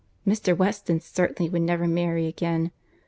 Mr. Weston certainly would never marry again.